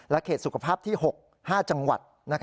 และเคสสุขภาพที่๖๕จังหวัด